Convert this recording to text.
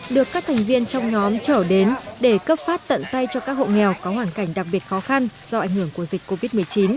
được các thành viên trong nhóm trở đến để cấp phát tận tay cho các hộ nghèo có hoàn cảnh đặc biệt khó khăn do ảnh hưởng của dịch covid một mươi chín